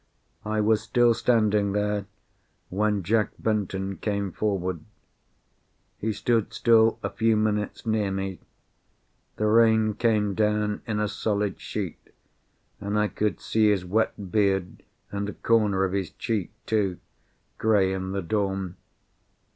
I was still standing there when Jack Benton came forward. He stood still a few minutes near me. The rain came down in a solid sheet, and I could see his wet beard and a corner of his cheek, too, grey in the dawn.